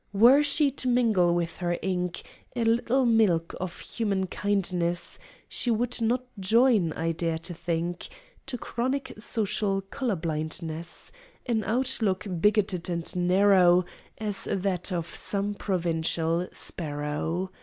Were she to mingle with her ink A little milk of human kindness, She would not join, I dare to think, To chronic social color blindness An outlook bigoted and narrow As that of some provincial sparrow.